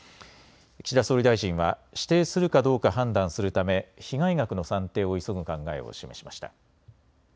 岸田総理大臣は指定するかどうか判断するため被害額の算定を急ぐ考えを示しました。